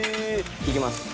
いきます。